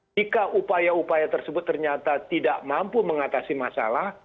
jika upaya upaya tersebut ternyata tidak mampu mengatasi masalah